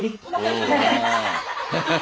ハハハハハ。